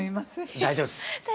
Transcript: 大丈夫です！